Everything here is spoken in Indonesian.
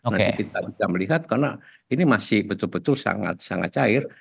nanti kita bisa melihat karena ini masih betul betul sangat sangat cair